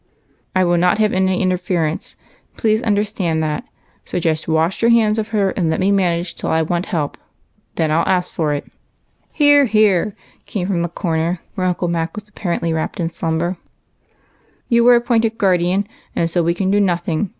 I will not have any interference, — please under stand that ; so just wash your hands of her, and let me manage till I want help, then I '11 ask for it." "Hear, hear!" came from the corner where Uncle Mac wns apparently wrapt in slumber. 42 EIGHT COUSINS. " You were appointed guardian, so we can do noth ing.